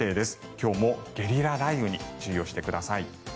今日もゲリラ雷雨に注意をしてください。